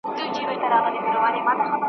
معلم وویل که چیري داسي وسي ,